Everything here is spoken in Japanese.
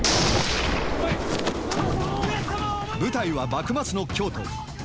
舞台は幕末の京都。